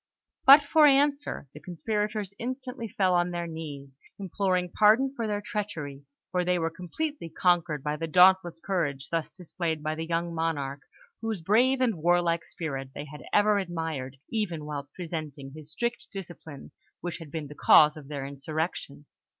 But for answer, the conspirators instantly fell on their knees, imploring pardon for their treachery; for they were completely conquered by the dauntless courage thus displayed by the young monarch, whose brave and warlike spirit they had ever admired, even whilst resenting his strict discipline, which had been the cause of their insurrection.